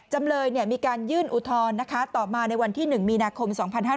จำเลยมีการยื่นอุทธรณ์นะคะต่อมาในวันที่๑มีนาคม๒๕๕๙